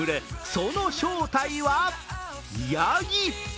その正体はやぎ。